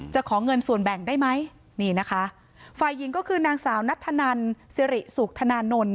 ขอเงินส่วนแบ่งได้ไหมนี่นะคะฝ่ายหญิงก็คือนางสาวนัทธนันสิริสุขธนานนท์